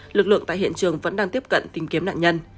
lực lượng tại hiện trường vẫn đang tiếp cận tìm kiếm nạn nhân